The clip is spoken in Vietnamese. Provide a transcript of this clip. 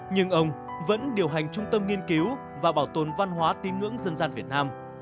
nhưng ông vẫn điều hành trung tâm nghiên cứu và bảo tồn văn hóa tín ngưỡng dân gian việt nam